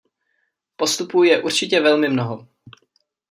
Postupů je určitě velmi mnoho.